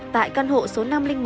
tại căn hộ số năm trăm linh một